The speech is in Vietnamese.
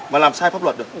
mà làm sai pháp luật được